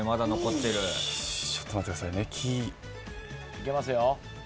いけますよ。